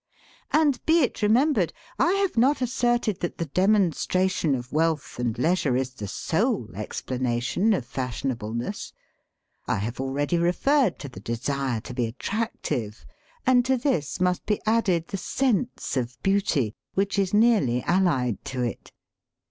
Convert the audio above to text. And, be it remembered, I have not asserted that the dem onstration of wealth and leisure is the sole ex planation of fashionableness. I have already re ferred to the desire to be attractive ; and to this must be added the sense of beauty, which is nearly allied to it.